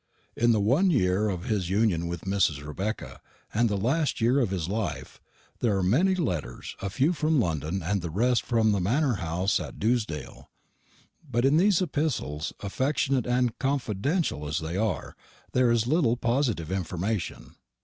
In the one year of his union with Mrs. Rebecca, and the last year of his life, there are many letters, a few from London and the rest from the manor house at Dewsdale. But in these epistles, affectionate and confidential as they are, there is little positive information.